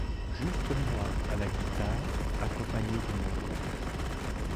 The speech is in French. Juste moi à la guitare accompagné de mon groupe.